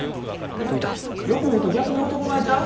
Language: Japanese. でもよく見ると逆に男前ちゃう？